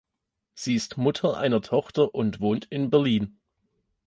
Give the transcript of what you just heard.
Sie ist Mutter einer Tochter und wohnt in Berlin.